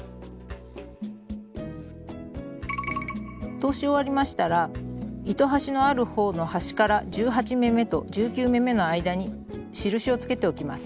通し終わりましたら糸端のあるほうの端から１８目めと１９目めの間に印をつけておきます。